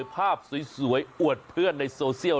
ภาพสวยอวดเพื่อนในโซเชียล